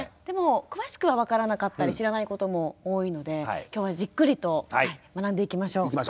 でも詳しくは分からなかったり知らないことも多いので今日はじっくりと学んでいきましょう。